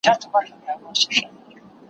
بې دلیله مي د ښمن دی په بازار کي